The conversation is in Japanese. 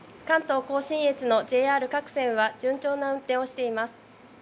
関東甲信越のＪＲ各線は順調な運転をしています。